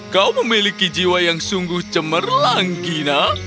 kau memiliki jiwa yang sungguh cemerlang gina